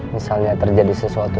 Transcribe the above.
misalnya terjadi sesuatu